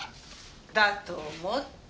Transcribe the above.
だと思った。